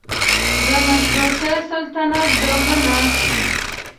د مشروطه سلطنت ډولونه